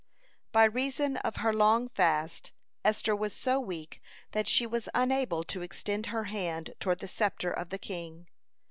(148) By reason of her long fast, Esther was so weak that she was unable to extend her hand toward the sceptre of the king.